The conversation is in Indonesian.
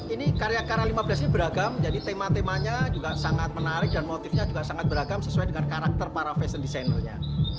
ini karya karya lima belas ini beragam jadi tema temanya juga sangat menarik dan motifnya juga sangat beragam sesuai dengan karakter para fashion designernya